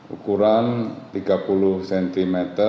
ukuran tiga puluh cm